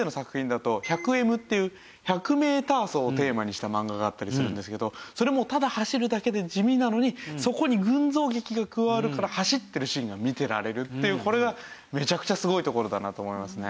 １００メーター走をテーマにした漫画があったりするんですけどそれもただ走るだけで地味なのにそこに群像劇が加わるから走ってるシーンが見てられるっていうこれがめちゃくちゃすごいところだなと思いますね。